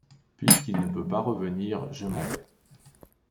Puisqu’il ne peut pas revenir, je m’en vais.